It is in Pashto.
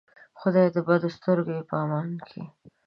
خدایه د بدو سترګو یې په امان کې.